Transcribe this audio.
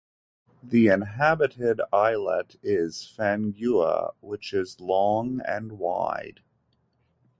The inhabited islet is Fangaua, which is long and wide.